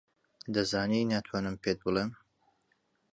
دەزانی ناتوانم پێت بڵێم.